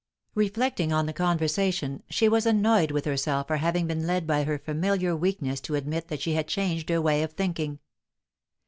Reflecting on the conversation, she was annoyed with herself for having been led by her familiar weakness to admit that she had changed her way of thinking.